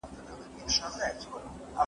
که پایله یې ښه وه نو پیل یې کړئ.